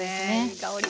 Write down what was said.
いい香り！